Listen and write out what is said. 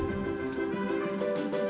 satu dua tiga